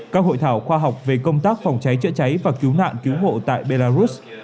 các hội thảo khoa học về công tác phòng cháy chữa cháy và cứu nạn cứu hộ tại belarus